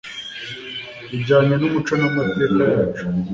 ijyanye n'umuco n'amateka yacu